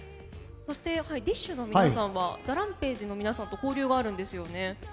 そしてＤＩＳＨ／／の皆さんはＴＨＥＲＡＭＰＡＧＥの皆さんと交流があるんですよね。